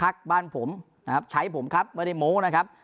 บ้านผมนะครับใช้ผมครับไม่ได้โม้นะครับ